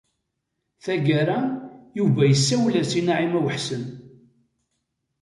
Tagara, Yuba yessawel-as i Naɛima u Ḥsen.